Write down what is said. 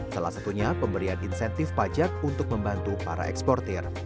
salah satunya pemberian insentif pajak untuk membantu para eksportir